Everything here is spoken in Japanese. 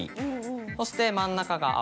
そして真ん中が青。